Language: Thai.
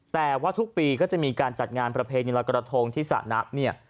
แต่ว่าทุกปีก็จะมีการจัดงานประเพณีลอยกระทงที่สระนะเนี่ย